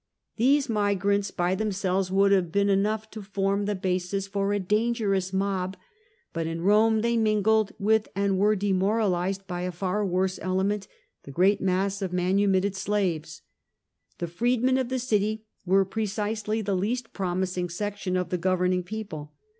These migrants GROWTH OF THE URBAN PROLETARIATE 23 by themselves would have been enough to form the basis for a dangerous mob, but in Rome they mingled with and were demoralised by a far worse element, the great mass of manumitted slaves. The freedmen of the city were precisely the least promising section of the governing people.